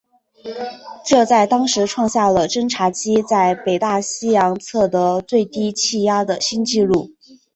这在当时创下了侦察机在北大西洋测得最低气压的新纪录。